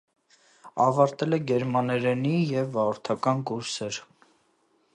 Ավարտել է գերմաներենի և վարորդական կուրսեր։